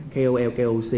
kolkoc là một công ty